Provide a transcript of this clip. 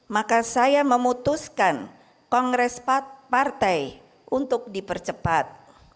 maka saya memutuskan kongres partai untuk dipercepat